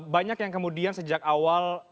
banyak yang kemudian sejak awal